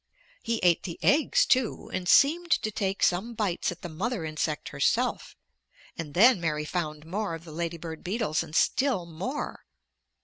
He ate the eggs, too, and seemed to take some bites at the mother insect herself, and then Mary found more of the lady bird beetles, and still more.